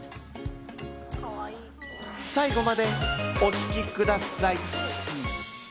最後までお聞きください。